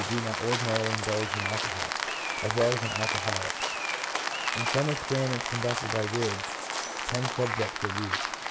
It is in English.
do not ordinarily indulge in alcohol, as well as on alco holics. In some experiments conducted by Ridge, 5 ten subjects were used.